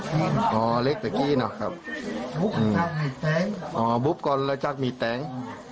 อ๋อเล็กตะกี้เนอะครับอ๋อบุ๊บก่อนแล้วจากมีแตง